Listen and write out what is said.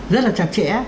rất là chặt chẽ